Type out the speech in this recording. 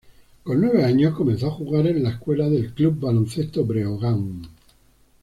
Con nueve años comenzó a jugar en la escuela del Club Baloncesto Breogán.